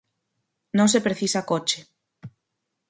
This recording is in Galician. Non se precisa coche.